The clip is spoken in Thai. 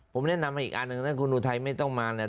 ผมแนะนำอากอันนึงนะครับ